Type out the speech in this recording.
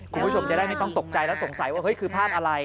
คุณผู้ชมจะได้ไม่ต้องตกใจและสงสัยว่าเฮ้ยคือภาพอะไร